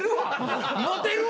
モテるわ！